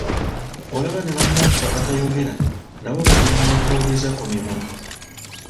Olaba ne bannaffe abatayogera nabo bagira ne batoobeza ku mimwa.